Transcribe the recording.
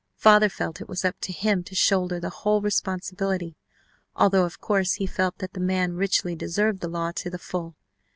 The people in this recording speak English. Father felt it was up to him to shoulder the whole responsibility, although, of course, he felt that the man richly deserved the law to the full.